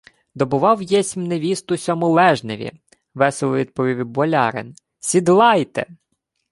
— Добував єсмь невісту сьому лежневі! — весело відповів болярин. — Сідлайте!